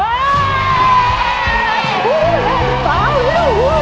อุ้ยเล่นสาวเลยโอ้โห